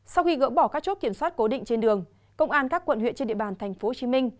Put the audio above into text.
sau khi gỡ bỏ các chốt kiểm soát cố định trên đường công an các quận huyện trên địa bàn tp hcm